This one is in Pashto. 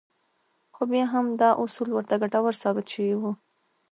خو بيا هم دا اصول ورته ګټور ثابت شوي وو.